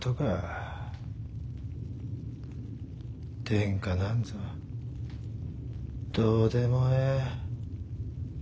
天下なんぞどうでもええ。